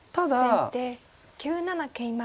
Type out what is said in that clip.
先手９七桂馬。